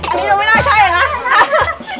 ทุกคนครับทุกคน